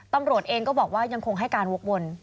ตำรวจเองก็บอกว่ายังคงให้การวกวน